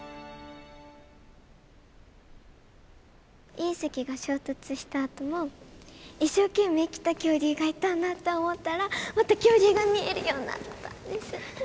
隕石が衝突したあとも一生懸命生きた恐竜がいたんだって思ったらまた恐竜が見えるようになったんです。